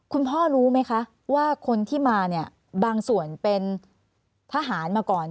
คุณพ่อรู้ไหมคะว่าคนที่มาเนี่ยบางส่วนเป็นทหารมาก่อน